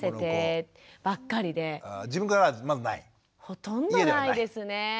ほとんどないですね。